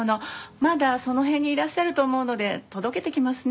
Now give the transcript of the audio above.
まだその辺にいらっしゃると思うので届けてきますね。